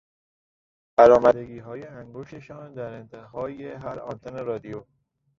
برآمدگیهای انگشتسان در انتهای هر آنتن رادیو